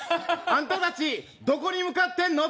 「あんた達どこに向かってんの？」